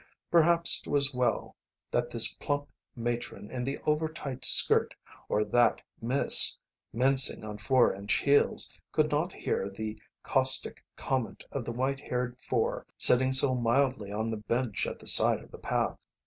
Perhaps it was well that this plump matron in the over tight skirt or that miss mincing on four inch heels could not hear the caustic comment of the white haired four sitting so mildly on the bench at the side of the path.